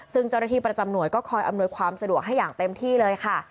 ซึ่งเจ้าหน้าที่ประจำหน่วยก็คอยอำนวยความสะดวกให้อย่างเต็มที่เลยค่ะ